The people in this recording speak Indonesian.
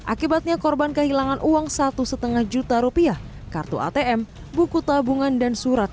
akibatnya korban kehilangan uang satu lima juta rupiah kartu atm buku tabungan dan surat